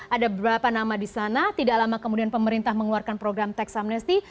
ada beberapa nama di sana tidak lama kemudian pemerintah mengeluarkan program tax amnesty